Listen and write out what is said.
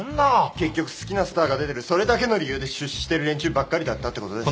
結局好きなスターが出てるそれだけの理由で出資してる連中ばっかりだったってことです。